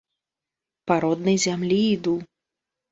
Па роднай зямлі іду.